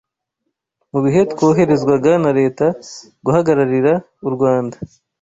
mu bihe twoherezwaga na Leta guhagararira u Rwanda